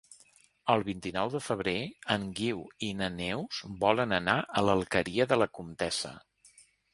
El vint-i-nou de febrer en Guiu i na Neus volen anar a l'Alqueria de la Comtessa.